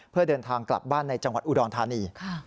เพื่อเดินทางกลับบ้านในจังหวัดอุดรธานี